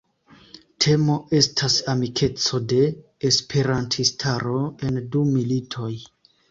Temo estas amikeco de Esperantistaro en du militoj.